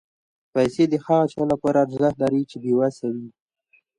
پېسې د هغه چا لپاره ارزښت لري چې بېوسه وي.